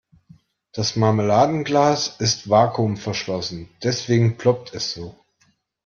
Das Marmeladenglas ist vakuumverschlossen, deswegen ploppt es so.